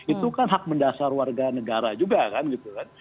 itu kan hak mendasar warga negara juga kan gitu kan